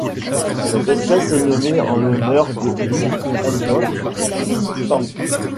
Cette espèce est nommée en l'honneur de Vu Ngoc Thanh.